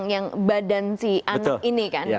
yang badan si anak ini kan